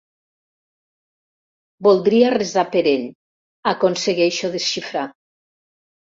Voldria resar per ell —aconsegueixo desxifrar.